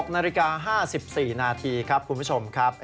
๖นาฬิกา๕๔นาทีครับคุณผู้ชมครับ